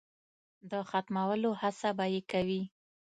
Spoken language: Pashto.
د ختمولو هڅه به یې کوي.